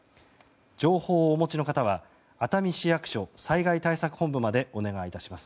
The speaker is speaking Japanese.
情報をお持ちの方は熱海市役所災害対策本部までお願い致します。